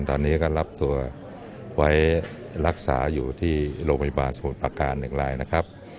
ตอนนี้ก็รับตัวไว้รักษาอยู่ที่โรงพยาบาลสมุทรประการ๑รายนะครับ